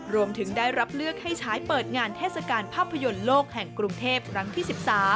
รวมถึงได้รับเลือกให้ใช้เปิดงานเทศกาลภาพยนตร์โลกแห่งกรุงเทพครั้งที่๑๓